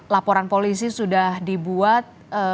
laporan polisi sudah dibuat